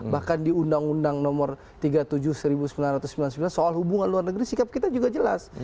bahkan di undang undang nomor tiga puluh tujuh seribu sembilan ratus sembilan puluh sembilan soal hubungan luar negeri sikap kita juga jelas